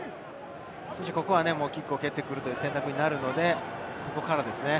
ここはキックを蹴ってくる選択になるので、ここからですね。